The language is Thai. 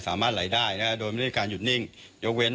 สามารถไหลได้นะโดยไม่ได้การหยุดนิ่งยกเว้น